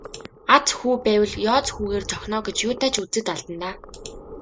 Аз хүү байвал ёоз хүүгээр цохино оо гэж юутай ч үзээд алдана даа.